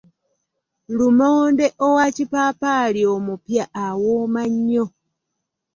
Lumonde owa kipaapaali omupya awooma nnyo.